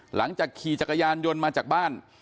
หลังจากขี่จักรยานยนต์มาจากบ้าน